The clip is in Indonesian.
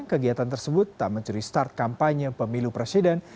kegiatan tersebut tak mencuri start kampanye pemilu presiden